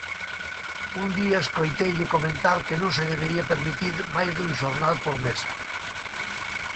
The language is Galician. Un día escoiteille comentar que non se debería permitir máis dun xornal por mesa.